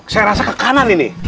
saya rasa ke kanan ini